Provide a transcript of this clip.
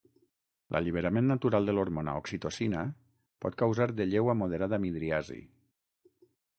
L'alliberament natural de l'hormona oxitocina pot causar de lleu a moderada midriasi.